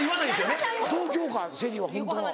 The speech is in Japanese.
東京かＳＨＥＬＬＹはホントは。